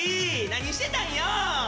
何してたんよ！